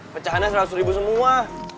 pecahannya seratus ribu semua